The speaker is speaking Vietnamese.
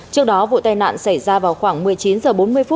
trước đó vụ tai nạn xảy ra vào khoảng một mươi chín h